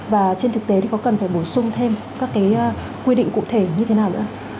và trên thực tế thì có cần phải bổ sung thêm các cái quy định cụ thể như thế nào nữa